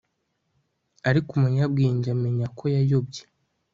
ariko umunyabwenge amenya ko yayobye